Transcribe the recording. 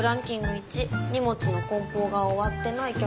１位荷物の梱包が終わってない客。